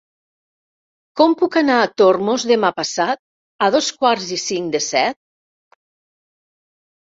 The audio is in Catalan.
Com puc anar a Tormos demà passat a dos quarts i cinc de set?